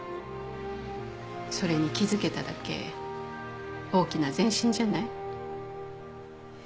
それに気付けただけ大きな前進じゃない？